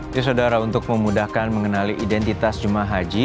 bersaudara untuk memudahkan mengenali identitas jum ah haji